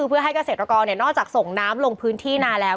เพื่อให้เกษตรกรนอกจากส่งน้ำลงพื้นที่นาแล้ว